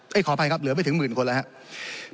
ขออภัยครับเหลือไม่ถึงหมื่นคนแล้วครับ